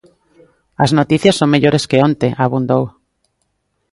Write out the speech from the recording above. "As noticias son mellores que onte", abundou.